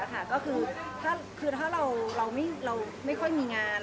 มาอยู่แล้วคือถ้าเราไม่ค่อยมีงาน